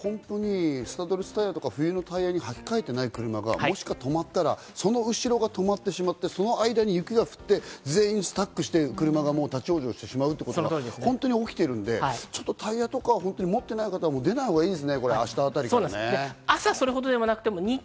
スタッドレスタイヤとか冬のタイヤにはき替えてない車が、もし止まったらその後ろが止まってしまって、その間に雪が降って、全員スタックして車が立ち往生してしまうっていうことが本当に起きてるので、タイヤとか持ってない方は出ない方がいいです。